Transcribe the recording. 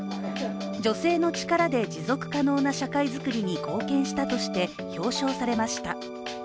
女性の力で持続可能な社会づくりに貢献したとして表彰されました。